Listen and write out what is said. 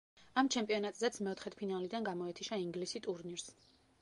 ამ ჩემპიონატზეც მეოთხედფინალიდან გამოეთიშა ინგლისი ტურნირს.